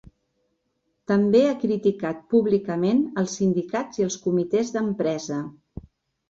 També ha criticat públicament els Sindicats i els Comitès d'Empresa.